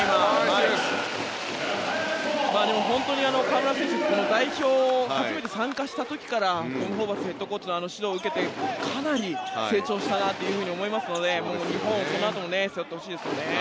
でも、本当に河村選手代表に初めて参加した時からトム・ホーバスヘッドコーチの指導を受けてかなり成長したなと思いますのでこのあとも日本代表を背負ってほしいですよね。